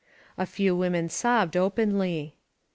A few women sobbed openly.